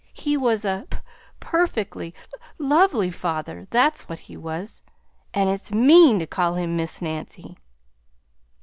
He was a p perfectly l lovely father, that's what he was, and it's MEAN to call him Miss Nancy!"